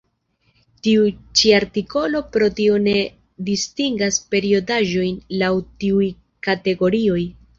Tiu ĉi artikolo pro tio ne distingas periodaĵojn laŭ tiuj kategorioj.